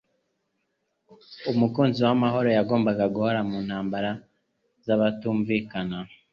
Umukunzi w'amahoro yagombaga guhora mu ntambara z'abatumvikana,